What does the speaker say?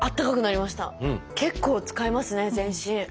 結構使いますね全身。